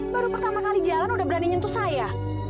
baru pertama kali jalan udah berani nyentuh saya